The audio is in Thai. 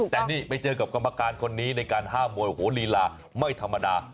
แต่นี่ไปเจอกับกรรมการคนนี้ในการห้ามมวยโอ้โหลีลาไม่ธรรมดา